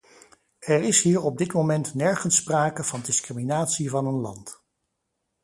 Er is hier op dit moment nergens sprake van discriminatie van een land.